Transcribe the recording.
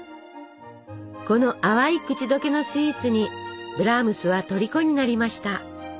この淡い口溶けのスイーツにブラームスはとりこになりました。